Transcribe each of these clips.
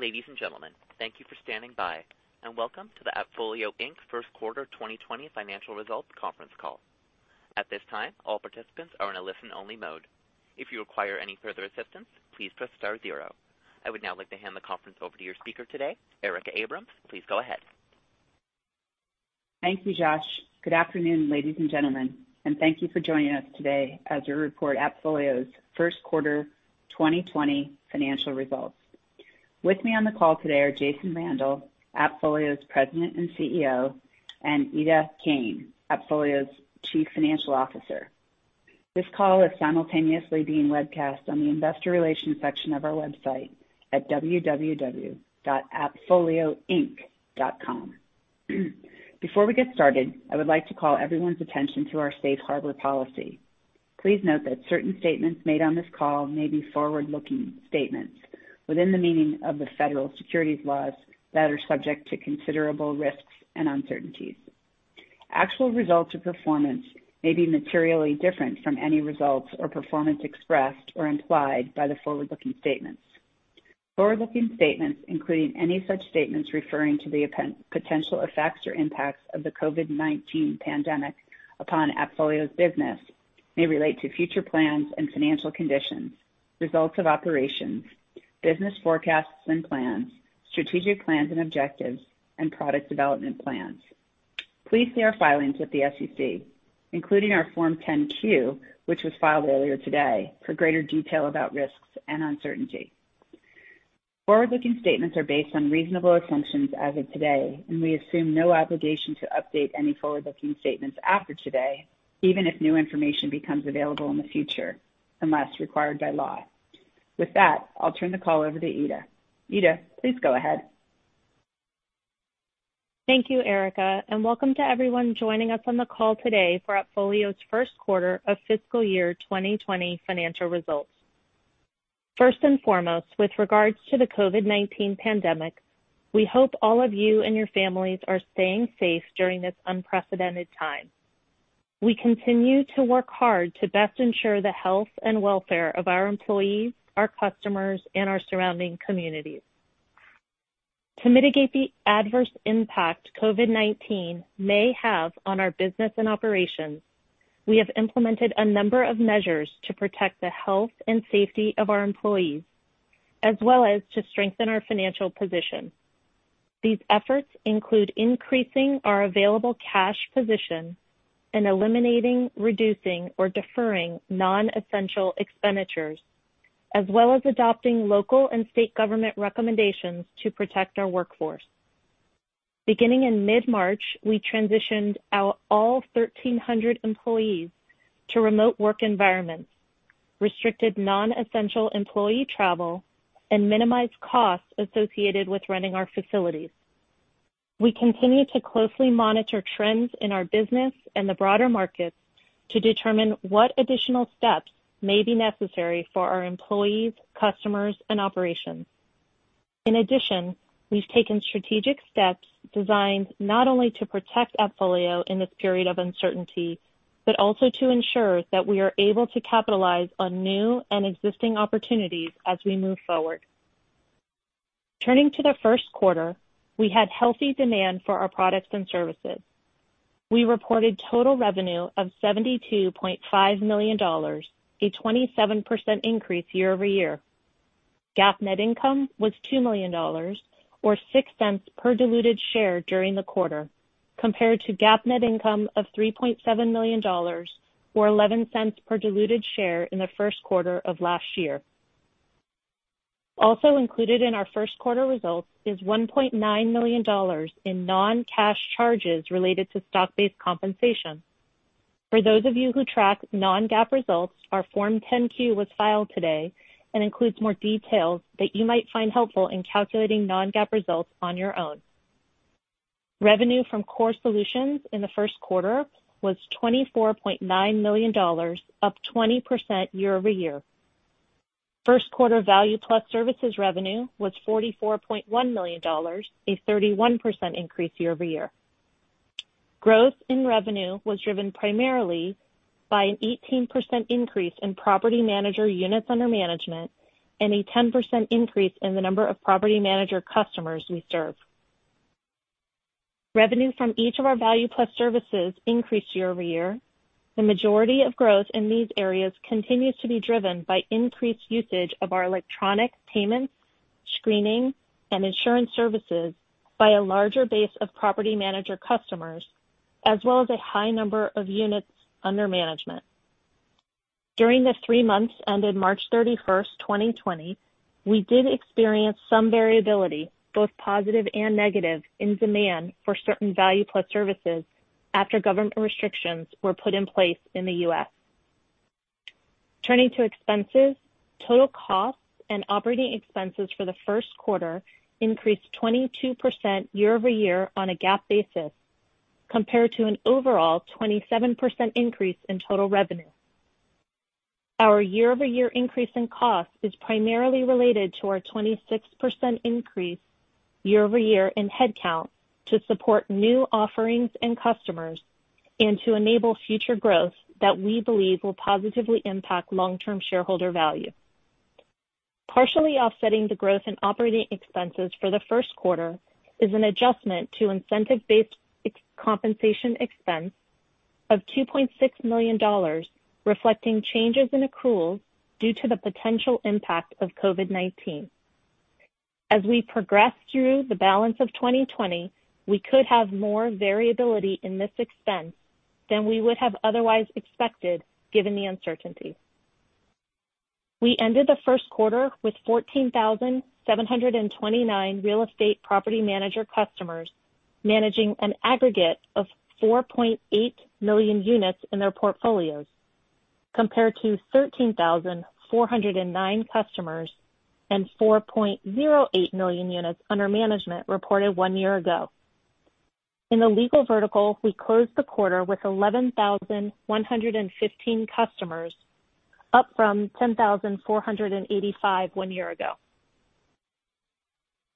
Ladies and gentlemen, thank you for standing by, and welcome to the AppFolio Inc. First Quarter 2020 Financial Results Conference Call. At this time, all participants are in a listen-only mode. If you require any further assistance, please press star zero. I would now like to hand the conference over to your speaker today, Erica Abrams. Please go ahead. Thank you, Josh. Good afternoon, ladies and gentlemen, and thank you for joining us today as we report AppFolio's First Quarter 2020 Financial Results. With me on the call today are Jason Randall, AppFolio's President and CEO, and Ida Kane, AppFolio's Chief Financial Officer. This call is simultaneously being webcast on the investor relations section of our website at www.appfolioinc.com. Before we get started, I would like to call everyone's attention to our safe harbor policy. Please note that certain statements made on this call may be forward-looking statements within the meaning of the federal securities laws that are subject to considerable risks and uncertainties. Actual results or performance may be materially different from any results or performance expressed or implied by the forward-looking statements. Forward-looking statements, including any such statements referring to the potential effects or impacts of the COVID-19 pandemic upon AppFolio's business, may relate to future plans and financial conditions, results of operations, business forecasts and plans, strategic plans and objectives, and product development plans. Please see our filings at the SEC, including our Form 10-Q, which was filed earlier today, for greater detail about risks and uncertainty. Forward-looking statements are based on reasonable assumptions as of today, and we assume no obligation to update any forward-looking statements after today, even if new information becomes available in the future unless required by law. With that, I'll turn the call over to Ida. Ida, please go ahead. Thank you, Erica, and welcome to everyone joining us on the call today for AppFolio's First Quarter of Fiscal Year 2020 financial results. First and foremost, with regards to the COVID-19 pandemic, we hope all of you and your families are staying safe during this unprecedented time. We continue to work hard to best ensure the health and welfare of our employees, our customers, and our surrounding communities. To mitigate the adverse impact COVID-19 may have on our business and operations, we have implemented a number of measures to protect the health and safety of our employees, as well as to strengthen our financial position. These efforts include increasing our available cash position and eliminating, reducing, or deferring non-essential expenditures, as well as adopting local and state government recommendations to protect our workforce. Beginning in mid-March, we transitioned out all 1,300 employees to remote work environments, restricted non-essential employee travel, and minimized costs associated with running our facilities. We continue to closely monitor trends in our business and the broader markets to determine what additional steps may be necessary for our employees, customers, and operations. In addition, we've taken strategic steps designed not only to protect AppFolio in this period of uncertainty, but also to ensure that we are able to capitalize on new and existing opportunities as we move forward. Turning to the first quarter, we had healthy demand for our products and services. We reported total revenue of $72.5 million, a 27% increase year-over-year. GAAP net income was $2 million, or $0.06 per diluted share during the quarter, compared to GAAP net income of $3.7 million, or $0.11 per diluted share in the first quarter of last year. Also included in our first quarter results is $1.9 million in non-cash charges related to stock-based compensation. For those of you who track non-GAAP results, our Form 10-Q was filed today and includes more details that you might find helpful in calculating non-GAAP results on your own. Revenue from core solutions in the first quarter was $24.9 million, up 20% year-over-year. First quarter Value Plus Services revenue was $44.1 million, a 31% increase year-over-year. Growth in revenue was driven primarily by an 18% increase in property manager units under management and a 10% increase in the number of property manager customers we serve. Revenue from each of ourValue Plus services increased year-over-year. The majority of growth in these areas continues to be driven by increased usage of our electronic payments, screening, and insurance services by a larger base of property manager customers, as well as a high number of units under management. During the three months ended March 31, 2020, we did experience some variability, both positive and negative, in demand for certain Value Plus services after government restrictions were put in place in the U.S. Turning to expenses, total costs and operating expenses for the first quarter increased 22% year-over-year on a GAAP basis, compared to an overall 27% increase in total revenue. Our year over year increase in costs is primarily related to our 26% increase year-over-year in headcount to support new offerings and customers and to enable future growth that we believe will positively impact long-term shareholder value. Partially offsetting the growth in operating expenses for the first quarter is an adjustment to incentive-based compensation expense of $2.6 million, reflecting changes in accruals due to the potential impact of COVID-19. As we progress through the balance of 2020, we could have more variability in this expense than we would have otherwise expected given the uncertainty. We ended the first quarter with 14,729 real estate property manager customers managing an aggregate of 4.8 million units in their portfolios, compared to 13,409 customers and 4.08 million units under management reported one year ago. In the legal vertical, we closed the quarter with 11,115 customers, up from 10,485 one year ago.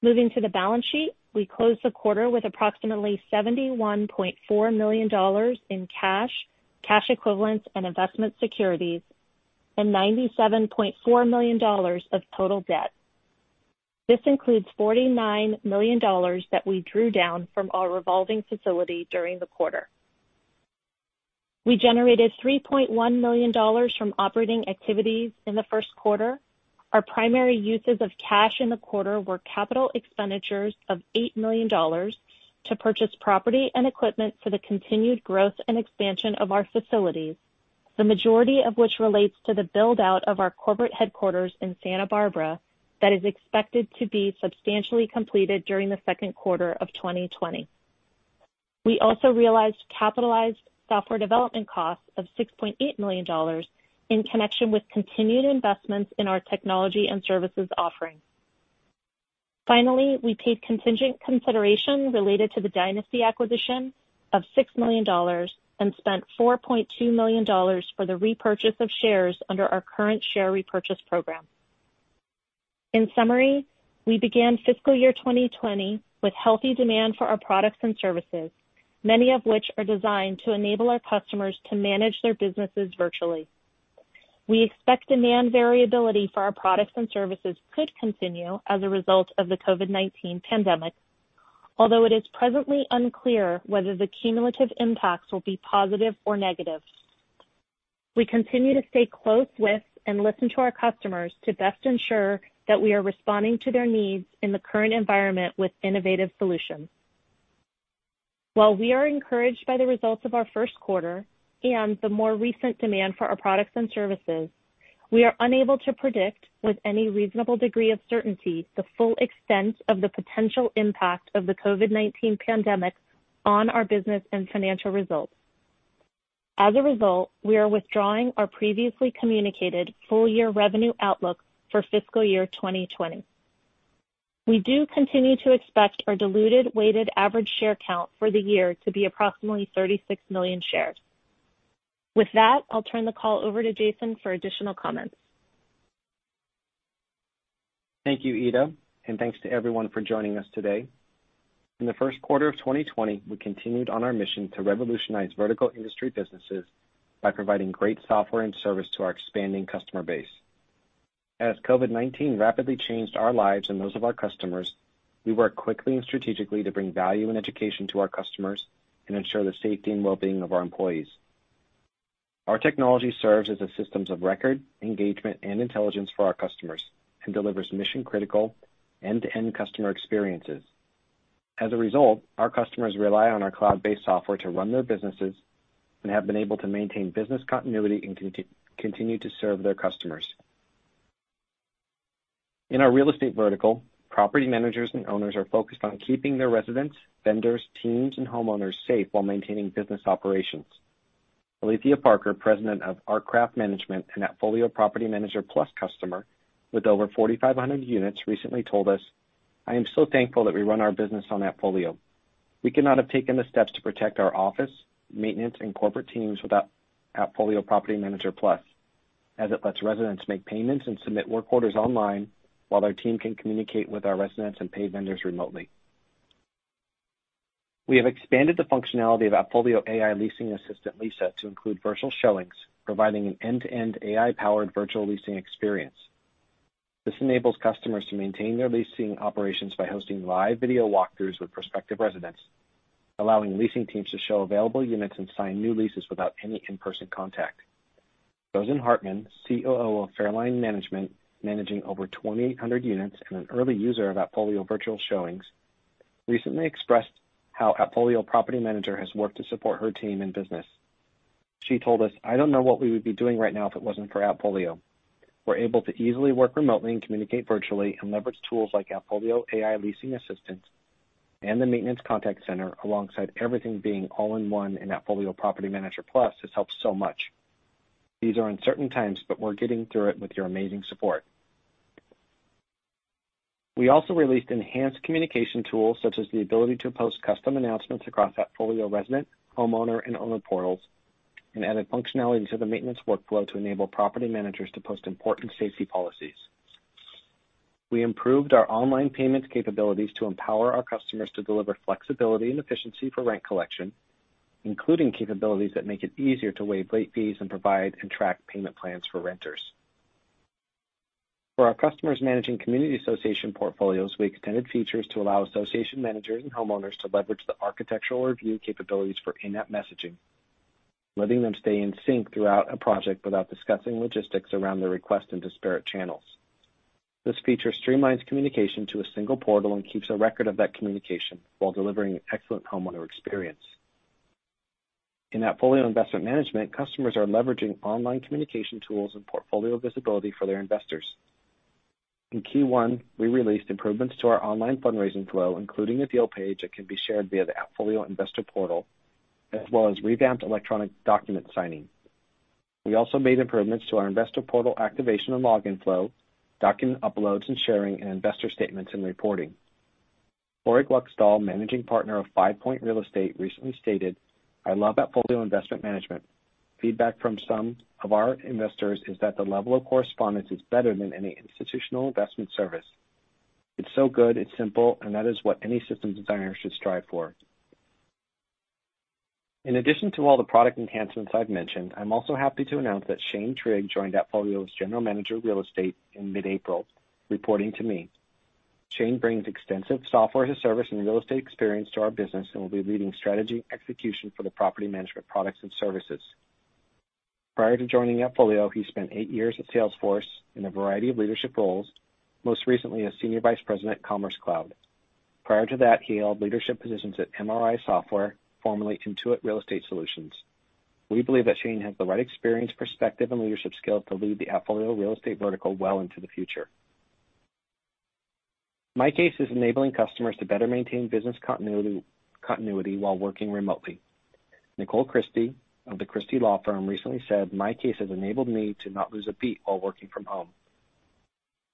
Moving to the balance sheet, we closed the quarter with approximately $71.4 million in cash, cash equivalents, and investment securities, and $97.4 million of total debt. This includes $49 million that we drew down from our revolving facility during the quarter. We generated $3.1 million from operating activities in the first quarter. Our primary uses of cash in the quarter were capital expenditures of $8 million to purchase property and equipment for the continued growth and expansion of our facilities, the majority of which relates to the build-out of our corporate headquarters in Santa Barbara that is expected to be substantially completed during the second quarter of 2020. We also realized capitalized software development costs of $6.8 million in connection with continued investments in our technology and services offering. Finally, we paid contingent consideration related to the Dynasty acquisition of $6 million and spent $4.2 million for the repurchase of shares under our current share repurchase program. In summary, we began Fiscal Year 2020 with healthy demand for our products and services, many of which are designed to enable our customers to manage their businesses virtually. We expect demand variability for our products and services could continue as a result of the COVID-19 pandemic, although it is presently unclear whether the cumulative impacts will be positive or negative. We continue to stay close with and listen to our customers to best ensure that we are responding to their needs in the current environment with innovative solutions. While we are encouraged by the results of our first quarter and the more recent demand for our products and services, we are unable to predict with any reasonable degree of certainty the full extent of the potential impact of the COVID-19 pandemic on our business and financial results. As a result, we are withdrawing our previously communicated full-year revenue outlook for Fiscal Year 2020. We do continue to expect our diluted weighted average share count for the year to be approximately 36 million shares. With that, I'll turn the call over to Jason for additional comments. Thank you, Ida, and thanks to everyone for joining us today. In the first quarter of 2020, we continued on our mission to revolutionize vertical industry businesses by providing great software and service to our expanding customer base. As COVID-19 rapidly changed our lives and those of our customers, we worked quickly and strategically to bring value and education to our customers and ensure the safety and well-being of our employees. Our technology serves as a system of record, engagement, and intelligence for our customers and delivers mission-critical end-to-end customer experiences. As a result, our customers rely on our cloud-based software to run their businesses and have been able to maintain business continuity and continue to serve their customers. In our real estate vertical, property managers and owners are focused on keeping their residents, vendors, teams, and homeowners safe while maintaining business operations. Alethea Parker, President of Artcraft Management and AppFolio Property Manager Plus customer with over 4,500 units, recently told us, "I am so thankful that we run our business on AppFolio. We could not have taken the steps to protect our office, maintenance, and corporate teams without AppFolio Property Manager Plus, as it lets residents make payments and submit work orders online while our team can communicate with our residents and pay vendors remotely." We have expanded the functionality of AppFolio AI Leasing Assistant Lisa to include virtual showings, providing an end-to-end AI-powered virtual leasing experience. This enables customers to maintain their leasing operations by hosting live video walkthroughs with prospective residents, allowing leasing teams to show available units and sign new leases without any in-person contact. Rosanne Hartman, COO of Fairline Management, managing over 2,800 units and an early user of AppFolio virtual showings, recently expressed how AppFolio Property Manager has worked to support her team and business. She told us, "I don't know what we would be doing right now if it wasn't for AppFolio. We're able to easily work remotely and communicate virtually and leverage tools like AppFolio AI Leasing Assistant and the maintenance contact center, alongside everything being all-in-one in AppFolio Property Manager Plus has helped so much. These are uncertain times, but we're getting through it with your amazing support." We also released enhanced communication tools such as the ability to post custom announcements across AppFolio resident, homeowner, and owner portals and added functionality to the maintenance workflow to enable property managers to post important safety policies. We improved our online payments capabilities to empower our customers to deliver flexibility and efficiency for rent collection, including capabilities that make it easier to waive late fees and provide and track payment plans for renters. For our customers managing community association portfolios, we extended features to allow association managers and homeowners to leverage the architectural review capabilities for in-app messaging, letting them stay in sync throughout a project without discussing logistics around their request and disparate channels. This feature streamlines communication to a single portal and keeps a record of that communication while delivering an excellent homeowner experience. In AppFolio Investment Management, customers are leveraging online communication tools and portfolio visibility for their investors. In Q1, we released improvements to our online fundraising flow, including a deal page that can be shared via the AppFolio Investor Portal, as well as revamped electronic document signing. We also made improvements to our Investor Portal activation and login flow, document uploads and sharing, and investor statements and reporting. Barak Luxhoj, managing partner of Five Point Real Estate, recently stated, "I love AppFolio Investment Management. Feedback from some of our investors is that the level of correspondence is better than any institutional investment service. It's so good, it's simple, and that is what any systems designer should strive for." In addition to all the product enhancements I've mentioned, I'm also happy to announce that Shane Trigg joined AppFolio as General Manager of Real Estate in mid-April, reporting to me. Shane brings extensive software as a service and real estate experience to our business and will be leading strategy execution for the property management products and services. Prior to joining AppFolio, he spent eight years at Salesforce in a variety of leadership roles, most recently as Senior Vice President at Commerce Cloud. Prior to that, he held leadership positions at MRI Software, formerly Intuit Real Estate Solutions. We believe that Shane has the right experience, perspective, and leadership skills to lead the AppFolio real estate vertical well into the future. MyCase is enabling customers to better maintain business continuity while working remotely. Nicole Christie of the Christie Law Firm recently said, "MyCase has enabled me to not lose a beat while working from home.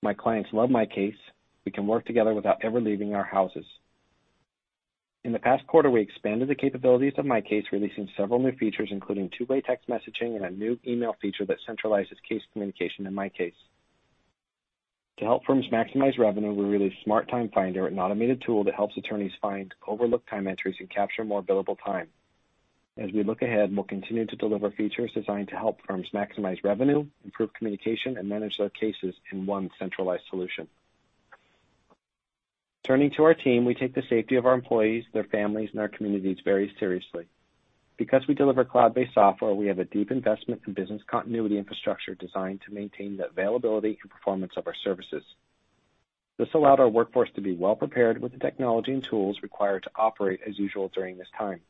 My clients love MyCase. We can work together without ever leaving our houses." In the past quarter, we expanded the capabilities of MyCase, releasing several new features, including two-way text messaging and a new email feature that centralizes case communication in MyCase. To help firms maximize revenue, we released Smart Time Finder, an automated tool that helps attorneys find, overlook time entries, and capture more billable time. As we look ahead, we'll continue to deliver features designed to help firms maximize revenue, improve communication, and manage their cases in one centralized solution. Turning to our team, we take the safety of our employees, their families, and our communities very seriously. Because we deliver cloud-based software, we have a deep investment in business continuity infrastructure designed to maintain the availability and performance of our services. This allowed our workforce to be well prepared with the technology and tools required to operate as usual during this time,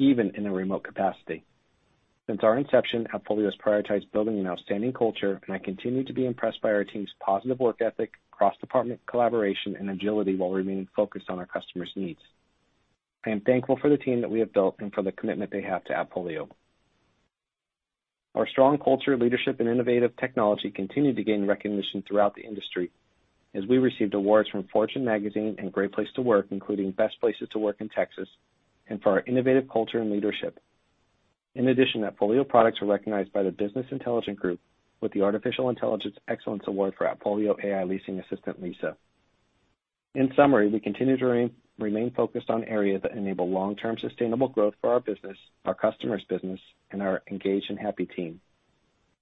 even in a remote capacity. Since our inception, AppFolio has prioritized building an outstanding culture, and I continue to be impressed by our team's positive work ethic, cross-department collaboration, and agility while remaining focused on our customers' needs. I am thankful for the team that we have built and for the commitment they have to AppFolio. Our strong culture of leadership, and innovative technology continue to gain recognition throughout the industry as we received awards from Fortune Magazine and Great Place to Work, including Best Places to Work in Texas, and for our innovative culture and leadership. In addition, AppFolio products are recognized by the Business Intelligence Group with the Artificial Intelligence Excellence Award for AppFolio AI Leasing Assistant Lisa. In summary, we continue to remain focused on areas that enable long-term sustainable growth for our business, our customers' business, and our engaged and happy team.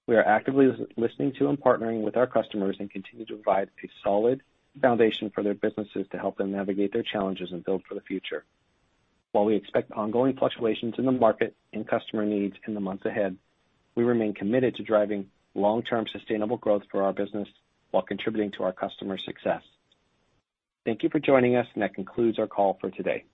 We are actively listening to and partnering with our customers and continue to provide a solid foundation for their businesses to help them navigate their challenges and build for the future. While we expect ongoing fluctuations in the market and customer needs in the months ahead, we remain committed to driving long-term sustainable growth for our business while contributing to our customers' success. Thank you for joining us, and that concludes our call for today.